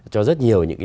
cho rất nhiều những cái